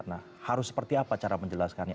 nah harus seperti apa cara menjelaskannya